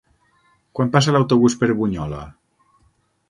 Quan passa l'autobús per Bunyola?